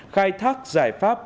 khai thác giải pháp